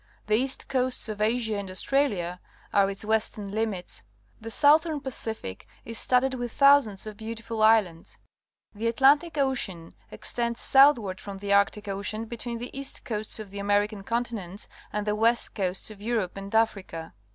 The east coasts of Asia and Aus tralia are its western limits. The Southern 32 PUBLIC SCHOOL GEOGRAPHY Pacific is studded with thousands of beautiful islands. The Atlantic Ocean extends southward from the Arctic Ocean between the east coasts of the American continents and the west coasts of Europe and Africa.